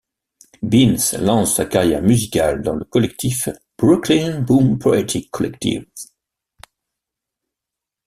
Beans lance sa carrière musicale dans le collectif Brooklyn Boom Poetic Collective.